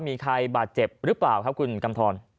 มีใครบาดเจ็บหรือเปล่าครับคุณกำทร